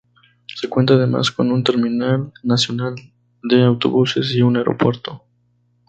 Se cuenta además con un terminal nacional de autobuses y un aeropuerto.